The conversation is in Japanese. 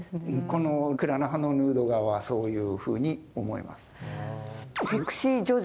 このクラーナハのヌード画はそういうふうに思います。